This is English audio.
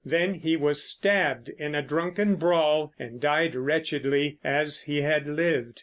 Then he was stabbed in a drunken brawl and died wretchedly, as he had lived.